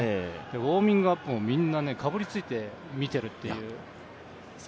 ウォーミングアップも、みんなかぶりついて見ているという。